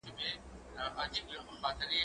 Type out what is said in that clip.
هغه څوک چې اوبه څښي روغ وي؟!